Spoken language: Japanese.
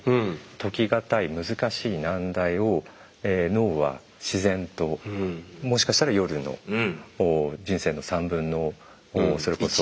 解き難い難しい難題を脳は自然ともしかしたら夜の人生の３分のそれこそ。